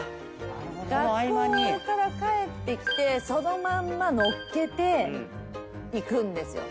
学校から帰ってきてそのまんま乗っけて行くんですよ